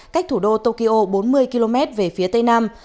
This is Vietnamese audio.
cách thủ đô tokyo bốn mươi km về phía tây nam